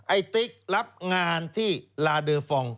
ไอ้ติ๊กรับงานที่ลาเดอฟอง